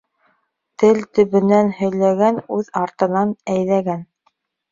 Тел төбөнән һөйләгән үҙ артынан әйҙәгән.